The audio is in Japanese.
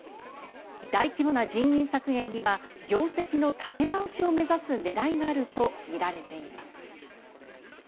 大規模な人員削減には業績の立て直しを目指す狙いがあるとみられています。